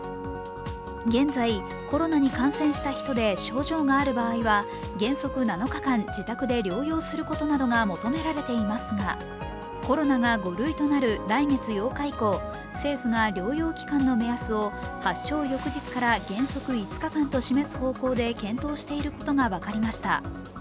現在、コロナに感染した人で症状がある場合は原則７日間自宅で療養することなどが求められていますがコロナが５類となる来月８日以降、政府が療養期間の目安を発症翌日から原則５日間と示す方向で検討していることが分かりました。